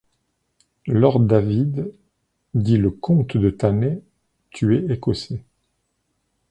Lord David, dit le comte de Thanet, tu es écossais.